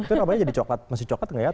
itu namanya jadi coklat masih coklat gak ya